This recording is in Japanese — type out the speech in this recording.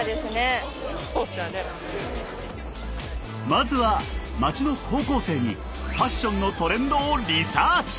まずは街の高校生にファッションのトレンドをリサーチ！